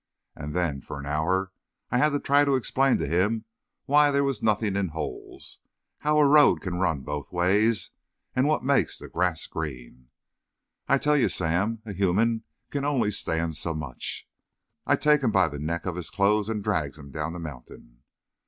And then, for an hour I had to try to explain to him why there was nothin' in holes, how a road can run both ways and what makes the grass green. I tell you, Sam, a human can only stand so much. I takes him by the neck of his clothes and drags him down the mountain.